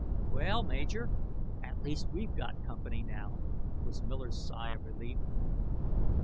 "Well, Major, at least we've got company now," was Miller's sigh of relief.